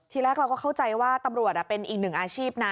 ทีแรกเราก็เข้าใจว่าตำรวจเป็นอีกหนึ่งอาชีพนะ